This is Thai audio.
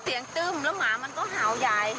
เสียงตื้มแล้วหมามันก็หาวใหญ่